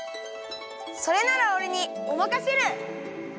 それならおれにおまかシェル！